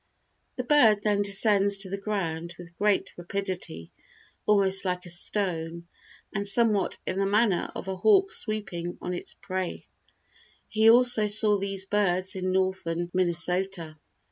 The bird then descends to the ground with great rapidity, almost like a stone, and somewhat in the manner of a hawk sweeping on its prey. He also saw these birds in northern Minnesota.